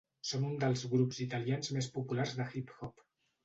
Són un dels grups italians més populars de hip hop.